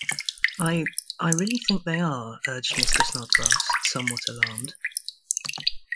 ‘I — I — really think they are,’ urged Mr. Snodgrass, somewhat alarmed.